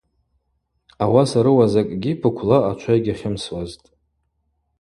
Ауаса рыуа закӏгьи пыквла ачва йгьахьымсуазтӏ.